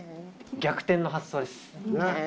逆転の発想です。